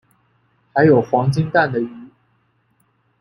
还有黄金蛋的鱼